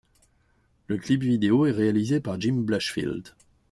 Le clip vidéo est réalisé par Jim Blashfield.